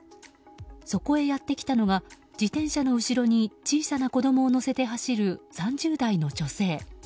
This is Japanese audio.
そこへやってきたのが自転車の後ろに小さな子供を乗せて走る３０代の女性。